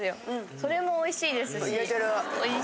それもおいしいですし。